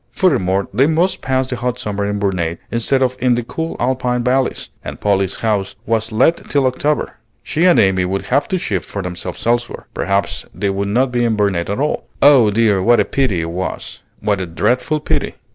Furthermore, they must pass the hot summer in Burnet instead of in the cool Alpine valleys; and Polly's house was let till October. She and Amy would have to shift for themselves elsewhere. Perhaps they would not be in Burnet at all. Oh dear, what a pity it was! what a dreadful pity!